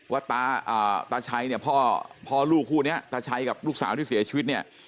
ว่าตาชัยเนี่ยพ่อลูกคู่นี้ตาชัยกับลูกสาวที่เสียชีวิตเนี่ย